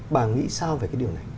bà nghĩ sao về cái điều này